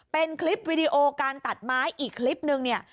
เป็นคลิปวีดีโอการตัดไม้อีกคลิปนึงเนี่ย